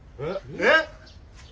えっ！